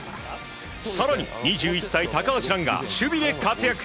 更に２１歳、高橋藍が守備で活躍。